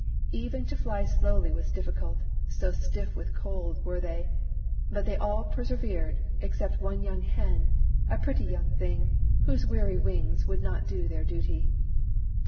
Even to fly slowly was difficult, so stiff with cold were they : but they all persevered, except one young hen — a pretty young thing, whose weary wings would not do their duty.